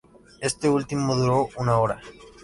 Este último duró una hora.